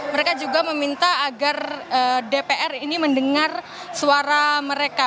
mereka juga meminta agar dpr ini mendengar suara mereka